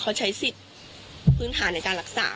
เขาใช้สิทธิ์พื้นฐานในการรักษา